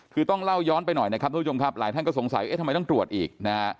คือต้องเล่าย้อนไปหน่อยนะครับทุกผู้ชมครับหลายท่านก็สงสัยเอ๊ะทำไมต้องตรวจอีกนะฮะ